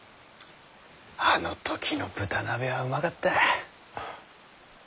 あの時の豚鍋はうまかった。